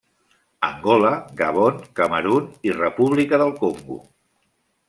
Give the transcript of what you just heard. Angola, Gabon, Camerun i República del Congo.